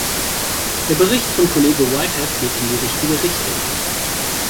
Der Bericht von Kollege Whitehead geht in die richtige Richtung.